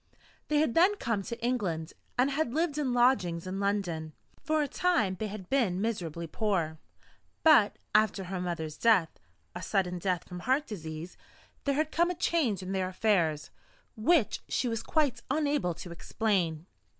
They had then come to England, and had lived in lodgings in London. For a time they had been miserably poor. But, after her mother's death a sudden death from heart disease there had come a change in their affairs, which she was quite unable to explain.